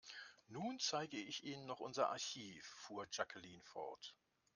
Nun zeige ich Ihnen noch unser Archiv, fuhr Jacqueline fort.